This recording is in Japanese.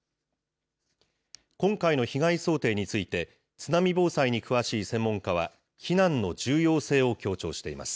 今回の被害想定について、津波防災に詳しい専門家は避難の重要性を強調しています。